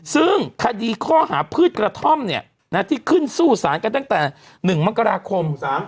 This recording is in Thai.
ซึ่งคดีข้อหาพืชกระท่อมที่ขึ้นสู้สารกันตั้งแต่๑มกราคม